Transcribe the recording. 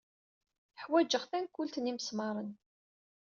Ḥwajeɣ tankult n yimesmaṛen.